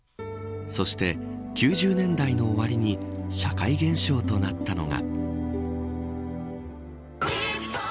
そして９０年代の終わりに社会現象となったのが。